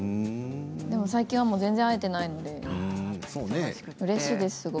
でも最近は全然会えていないのでうれしいです、すごく。